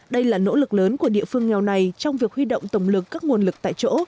đây là nỗ lực lớn của địa phương nghèo này trong việc huy động tổng lực các nguồn lực tại chỗ